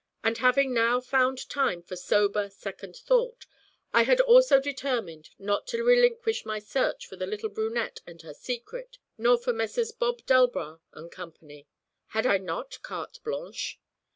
And having now found time for sober, second thought, I had also determined not to relinquish my search for the little brunette and her secret, nor for Messrs. Bob Delbras and company. Had I not carte blanche?